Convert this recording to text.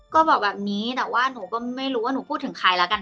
ก็บอกแบบนี้แต่ว่าหนูก็ไม่รู้ว่าหนูพูดถึงใครแล้วกัน